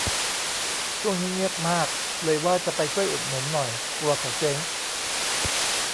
ช่วงนี้เงียบมาก เลยว่าจะไปช่วยอุดหนุนหน่อย กลัวเขาเจ๊ง